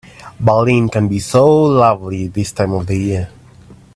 Berlin can be so lovely this time of year.